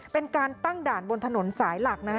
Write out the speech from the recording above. เป็นการตั้งด่านบนถนนสายหลักนะฮะ